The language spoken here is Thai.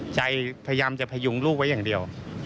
พยายามจะพยุงลูกไว้อย่างเดียว